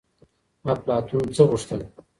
افلاطون څه غوښتل؟